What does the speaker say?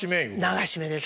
流し目ですね。